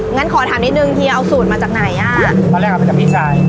งั้นขอถามนิดนึงเฮียเอาสูตรมาจากไหนอ่ะตอนแรกเอามาจากพี่ชาย